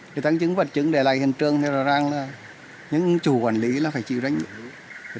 để tăng chứng vật chứng để lại hiện trường thì rõ ràng là những chủ quản lý là phải chịu trách nhiệm